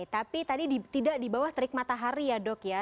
jadi tadi tidak di bawah terik matahari ya dok ya